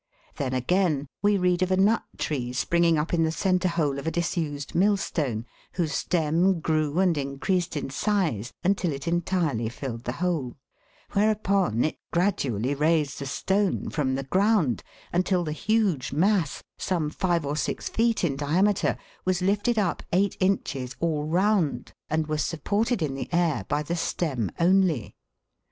Then, again, we read of a nut tree springing up in the centre hole of a disused mill stone, whose stem grew and increased in size until it entirely filled the hole ; whereupon it gradually raised the stone from the ground, until the huge mass, some five or six feet in diameter, was lifted up eight inches all round, and was supported in the air by the stem only.